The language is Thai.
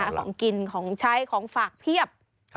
ของกินของใช้ของฝากเพียบ